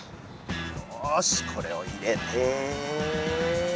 よしこれを入れてよし。